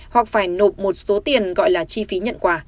hoặc phải nộp một số tiền gọi là chi phí nhận quà